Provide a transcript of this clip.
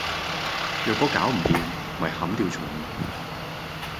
若果搞唔掂，咪砍掉重練